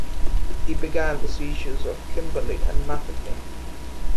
He began the sieges of Kimberley and Mafeking.